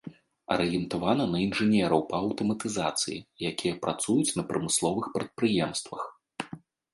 Арыентавана на інжынераў па аўтаматызацыі, якія працуюць на прамысловых прадпрыемствах.